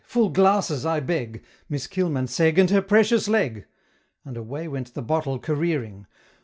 Full glasses I beg! Miss Kilmansegg and her Precious Leg!" And away went the bottle careering!